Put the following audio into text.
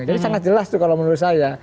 jadi sangat jelas tuh kalau menurut saya